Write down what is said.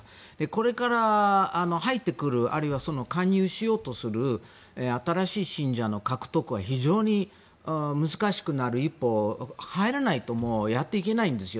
これから入ってくるあるいは加入しようとする新しい信者の獲得は非常に難しくなる一方入らないとやっていけないんですよ。